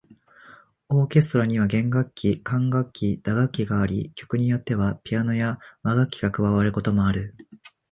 オーケストラには弦楽器、管楽器、打楽器があり、曲によってはピアノや和楽器が加わることもある。